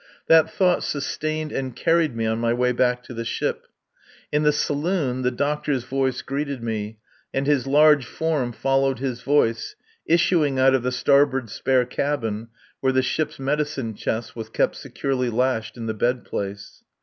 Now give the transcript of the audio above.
That thought sustained and carried me on my way back to the ship. In the saloon the doctor's voice greeted me, and his large form followed his voice, issuing out of the starboard spare cabin where the ship's medicine chest was kept securely lashed in the bed place.